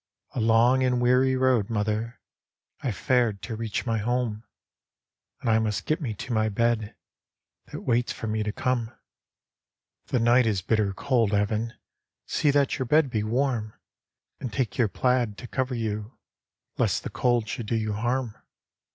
"A long and weary road, modicr, I fared to reach my home, And I must get me to my bed That waits for me to come," D,gt,, erihyGOOgle Tke Priest's Brother "The night is bitter cold, Evan, See that your bed be warm, And take your plaid to cover you. Lest the cold should do you harm."